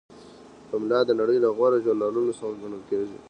پملا د نړۍ له غوره ژورنالونو څخه ګڼل کیږي.